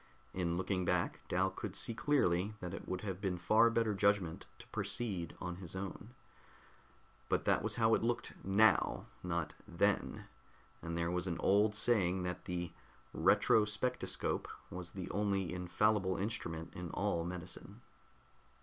In looking back, Dal could see clearly that it would have been far better judgment to proceed on his own. But that was how it looked now, not then, and there was an old saying that the "retrospectoscope" was the only infallible instrument in all medicine.